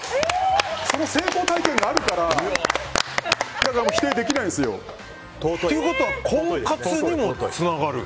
そういう成功体験があるから否定できないんですよ。ということは婚活にもつながる？